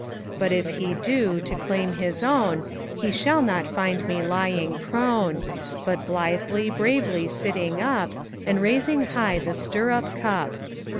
But if he do, to claim his own, He shall not find me lying prone; But blithely, bravely, sitting up, And raising high the stirrup cup.